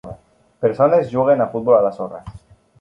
Persones juguen a futbol a la sorra.